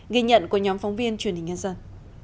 ghi nhận của nhóm phóng viên truyền hình nhân dân